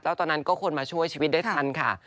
แล้วตอนนั้นก็คนมาช่วยชีวิตได้ทันค่ะ